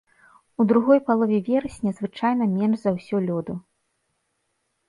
У другой палове верасня звычайна менш за ўсё лёду.